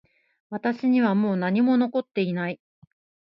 私にはもう何も残っていない